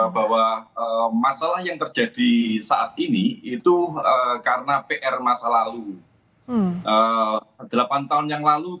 bahwa masalah yang terjadi saat ini itu karena pr masa lalu